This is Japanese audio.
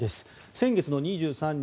先月２３日